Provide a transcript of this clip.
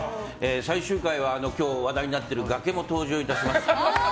最終回は今日、話題になっている崖も登場いたします。